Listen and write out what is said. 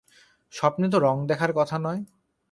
স্বপ্নে তো রঙ দেখার কথা নয়।